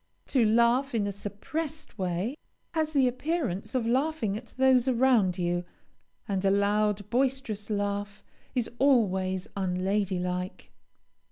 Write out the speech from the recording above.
To laugh in a suppressed way, has the appearance of laughing at those around you, and a loud, boisterous laugh is always unlady like.